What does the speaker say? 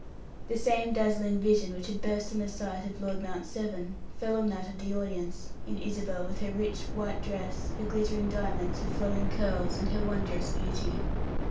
The same dazzling vision which had burst on the sight of Lord Mount Severn fell on that of the audience, in Isabel, with her rich, white dress, her glittering diamonds, her flowing curls, and her wondrous beauty.